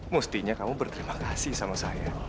mestinya kamu berterima kasih sama saya